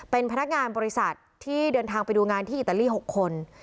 เป็นพนักงานบริษัทที่เดินทางไปดูงานที่อิตาลี๖คน